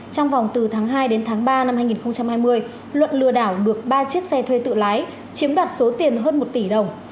trong vòng từ tháng hai đến tháng ba năm hai nghìn hai mươi luận lừa đảo được ba chiếc xe thuê tự lái chiếm đoạt số tiền hơn một tỷ đồng